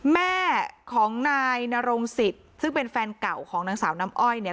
แม่ของนายนรงสิทธิ์ซึ่งเป็นแฟนเก่าของนางสาวน้ำอ้อยเนี่ย